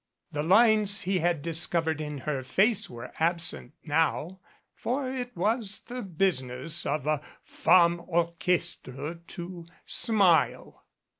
The lines he had discovered in her face were absent now, for it was the business of a Femme Orchestre to smile.